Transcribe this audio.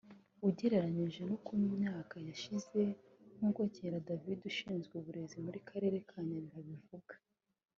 ugereranyije no mu myaka yashize nk’uko Nkera David ushinzwe uburezi mu Karere ka Nyabihu abivuga